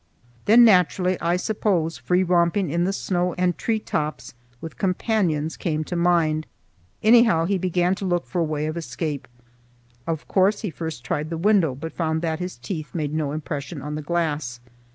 Then naturally, I suppose, free romping in the snow and tree tops with companions came to mind. Anyhow he began to look for a way of escape. Of course he first tried the window, but found that his teeth made no impression on the glass.